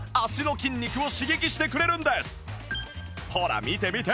ほら見て見て！